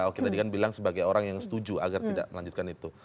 oke tadi kan bilang sebagai orang yang setuju agar tidak melanjutkan itu